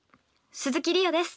鈴木梨予です。